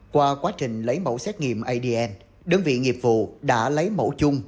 qua quá trình lấy mẫu xét nghiệm adn đơn vị nghiệp vụ đã lấy mẫu chung